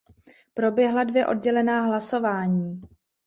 Proběhla dvě oddělená hlasování.